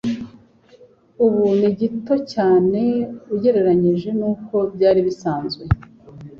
ubu ni gito cyane ugereranije nuko byari bisanzwe.